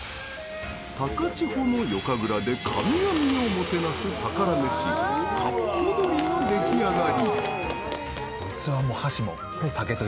高千穂の夜神楽で神々をもてなす宝メシ「かっぽ鶏」の出来上がり。